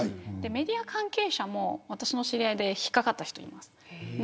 メディア関係者も私の知り合いで引っかかった人います。